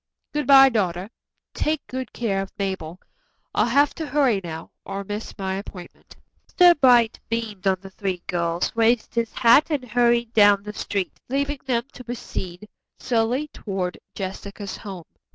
Good bye, daughter. Take good care of Mabel. I'll have to hurry now, or miss my appointment." Mr. Bright beamed on the three girls, raised his hat and hurried down the street, leaving them to proceed slowly toward Jessica's home.